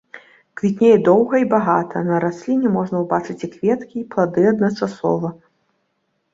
Квітнее доўга і багата, на расліне можна ўбачыць і кветкі і плады адначасова.